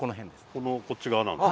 このこっち側なんですか？